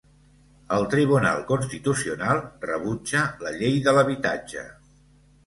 El Tribunal Constitucional rebutja la llei de l'habitatge.